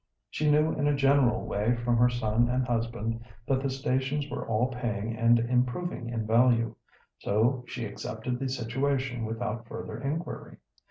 She knew in a general way from her son and husband that the stations were all paying and improving in value. So she accepted the situation without further inquiry.